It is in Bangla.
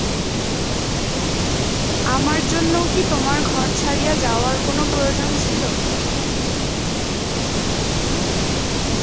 আমার জন্যও কি তোমার ঘর ছাড়িয়া যাওয়ার কোনো প্রয়োজন ছিল।